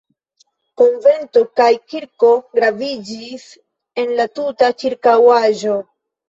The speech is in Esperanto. Konvento kaj kirko graviĝis en la tuta ĉirkaŭaĵo.